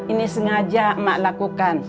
ini sengaja emak lakukan